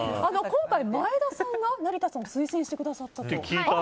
今回、前田さんが成田さんを推薦してくださったと。